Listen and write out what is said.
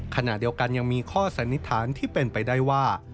ขณะเดียวกันยังมีข้อสันนิษฐานที่เป็นไปได้ว่า